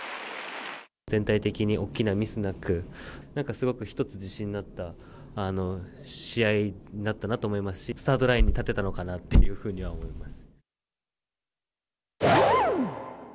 全体的に大きなミスなく、なんかすごく１つ自信になった試合になったなと思いますし、スタートラインに立てたのかなっていうふうには思います。